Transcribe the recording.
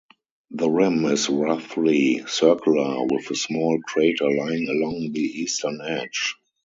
The rim is roughly circular, with a small crater lying along the eastern edge.